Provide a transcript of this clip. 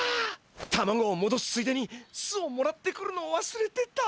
タマゴをもどすついでに巣をもらってくるのをわすれてた。